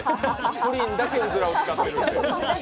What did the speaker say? プリンだけ、うずらを使っているんです。